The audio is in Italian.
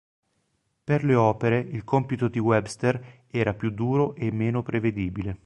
Per le opere il compito di Webster era più duro e meno prevedibile.